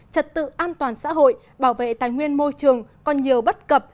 trật tự an toàn xã hội bảo vệ tài nguyên môi trường còn nhiều bất cập